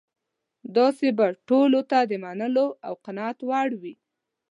داسې به ټولو ته د منلو او قناعت وړ وي.